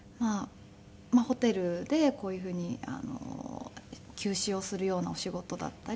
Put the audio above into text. ホテルでこういうふうに給仕をするようなお仕事だったり。